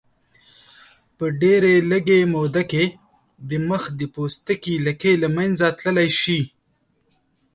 په ډېرې لږې موده کې د مخ د پوستکي لکې له منځه تللی شي.